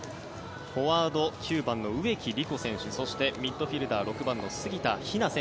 フォワード、９番の植木理子そしてミッドフィールダー６番の杉田妃和。